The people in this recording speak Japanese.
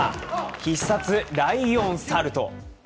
必殺ライオンサルト。